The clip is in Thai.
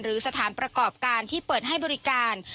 หรือสถานประกอบการที่เปิดให้บริการ